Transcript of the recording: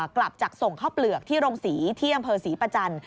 กลับจากส่งข้าวเปลือกที่โรงศรีที่อำเภอศรีประจันทร์